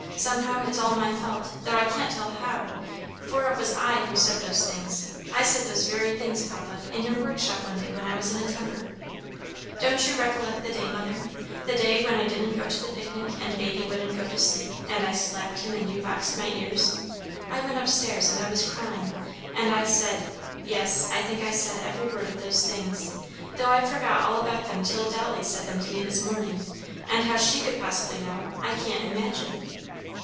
"Somehow it's all my fault, though I can't tell how, for it was I who said those things. I said those very things, Papa, in your workshop one day when I was in a temper. Don't you recollect the day, Mother, the day when I didn't go to the picnic, and Baby wouldn't go to sleep, and I slapped him, and you boxed my ears? I went up stairs, and I was crying, and I said, yes, I think I said every word of those things, though I forgot all about them till Dolly said them to me this morning, and how she could possibly know, I can't imagine."